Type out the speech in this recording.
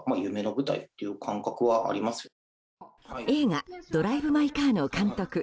映画「ドライブ・マイ・カー」の監督